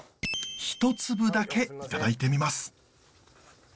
１粒だけいただいてみます。